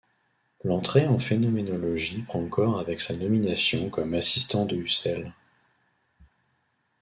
L'entrée en phénoménologie prend corps avec sa nomination comme assistant de Husserl.